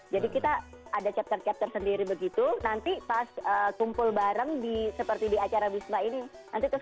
jadi kita ada chapter chapter sendiri begitu nanti pas kumpul bareng di seperti di acara bisma ini nanti kita bisa mengisi itu juga